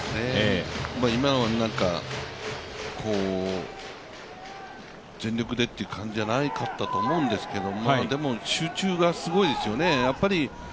今のは全力でって感じじゃなかったんですが、でも、集中がすごいですよね。